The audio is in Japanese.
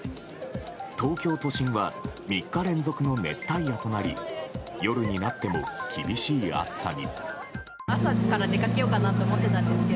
東京都心は３日連続の熱帯夜となり夜になっても厳しい暑さに。